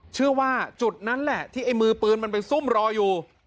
เชื่อว่าจุดนั้นแหละที่ไอ้มือปืนมันไปซุ่มรออยู่